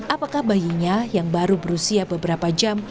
apakah bayinya yang baru berusia beberapa jam